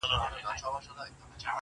لمر هم کمزوری ښکاري دلته تل,